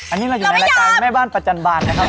อันนี้เราอยู่ในรายการแม่บ้านประจันบาลนะครับ